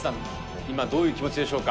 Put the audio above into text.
今どういう気持ちでしょうか？